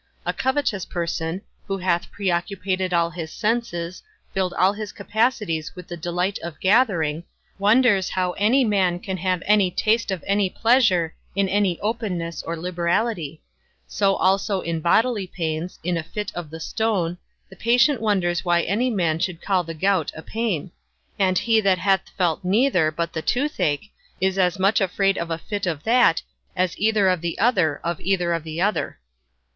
A covetous person, who hath preoccupated all his senses, filled all his capacities with the delight of gathering, wonders how any man can have any taste of any pleasure in any openness or liberality; so also in bodily pains, in a fit of the stone, the patient wonders why any man should call the gout a pain; and he that hath felt neither, but the toothache, is as much afraid of a fit of that as either of the other of either of the other.